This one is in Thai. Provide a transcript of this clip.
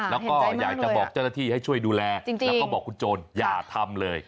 แล้วก็อยากจะบอกเจ้าหน้าที่ให้ช่วยดูแลแล้วก็บอกคุณโจรออย่าทำเลย